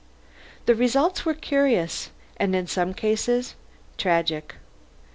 The results were curious, and in some cases tragic.